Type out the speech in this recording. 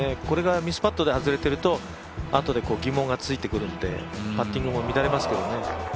これがミスパットになるとあとで疑問がついてくるのでパッティングも乱れますけどね。